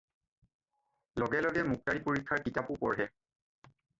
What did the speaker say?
লগে লগে মোক্তাৰী পৰীক্ষাৰ কিতাপো পঢ়ে।